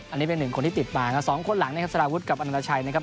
อันนี้เป็นหนึ่งคนที่ติดมากับสองคนหลังนะครับสารวุฒิกับอนาชัยนะครับ